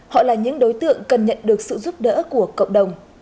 họ là những đối tượng cần nhận được sự giúp đỡ của cộng đồng